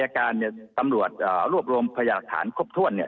การเนี่ยตำรวจรวบรวมพยาหลักฐานครบถ้วนเนี่ย